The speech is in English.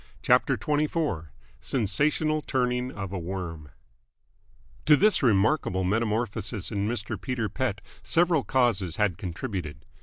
CHAPTER XXIV SENSATIONAL TURNING OF A WORM To this remarkable metamorphosis in Mr. Peter Pett several causes had contributed.